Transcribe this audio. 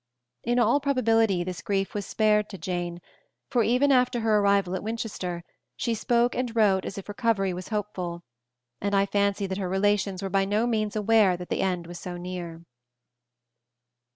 In all probability this grief was spared to Jane, for even after her arrival at Winchester she spoke and wrote as if recovery was hopeful; and I fancy that her relations were by no means aware that the end was so near.